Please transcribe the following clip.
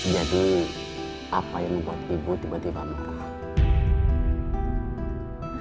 jadi apa yang membuat ibu tiba tiba marah